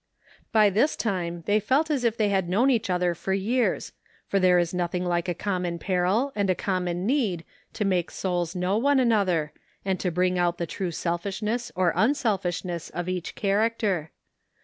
By this time they felt as if they had known each other for years, for there is nothing like a common peril and a common need to make souls know one another, and to bring out the true selfishness or unself ishness of each character.